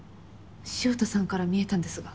潮田さんから見えたんですが。